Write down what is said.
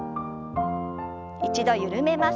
一度緩めます。